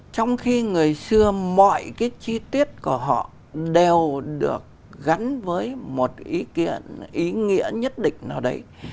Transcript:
trong khi người xưa mọi cái chi tiết của họ đều được gắn với một ý kiện ý nghĩa nhất định nào đấy